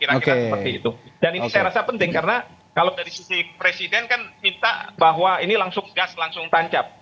dan ini saya rasa penting karena kalau dari sisi presiden kan minta bahwa ini langsung gas langsung tancap